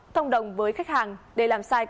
thông đồng với khách hàng để làm sai